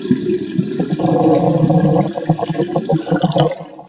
唐初从长清县中分出山荏县。